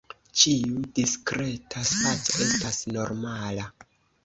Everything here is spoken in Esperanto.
Ĉiu diskreta spaco estas normala.